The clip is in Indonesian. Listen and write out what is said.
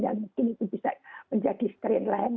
dan mungkin itu bisa menjadi strain lain